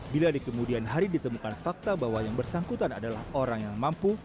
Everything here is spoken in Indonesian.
bila di kemudian hari ditemukan fakta bahwa yang bersangkutan adalah orang yang mampu